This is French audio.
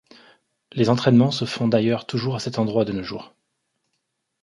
Les entraînements se font d'ailleurs toujours à cet endroit de nos jours.